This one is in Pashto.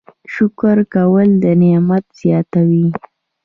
شکر کول نعمت زیاتوي